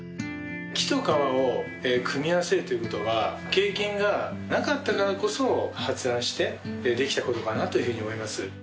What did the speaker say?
木と革を組み合わせるということは経験がなかったからこそ発案してできたことかなというふうに思います。